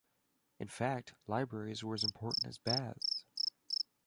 In fact, libraries were as important as baths.